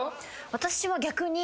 私は逆に。